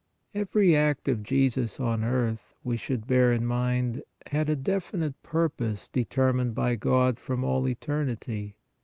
Every act of Jesus on earth, we should bear in mind, had a definite purpose determined by God from all eternity.